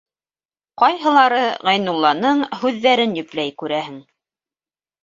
Ҡайһылары Ғәйнулланың һүҙҙәрен йөпләй, күрәһең: